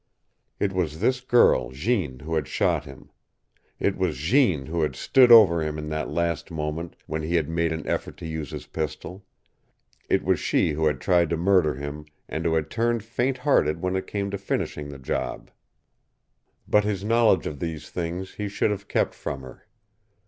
It was this girl Jeanne who had shot him. It was Jeanne who had stood over him in that last moment when he had made an effort to use his pistol. It was she who had tried to murder him and who had turned faint hearted when it came to finishing the job. But his knowledge of these things he should have kept from her.